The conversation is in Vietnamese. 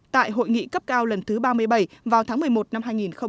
tại hội nghị cấp cao lần thứ ba mươi bảy vào tháng một mươi một năm hai nghìn một mươi chín